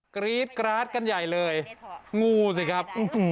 กรี๊ดกราดกันใหญ่เลยงูสิครับ